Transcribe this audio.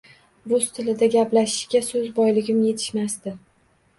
Rus tilida gaplashishga so‘z boyligim yetishmasdi.